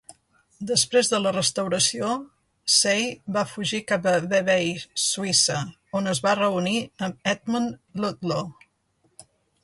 Després de la restauració, Say va fugir cap a Vevey, Suïssa, on es va reunir amb Edmund Ludlow.